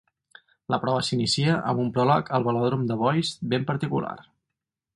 La prova s'inicia amb un pròleg al velòdrom de Bois ben particular.